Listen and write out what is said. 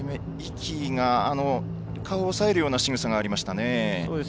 壹岐が顔を押さえるようなしぐさがありましたね。